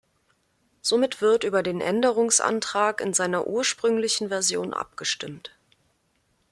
Somit wird über den Änderungsantrag in seiner ursprünglichen Version abgestimmt.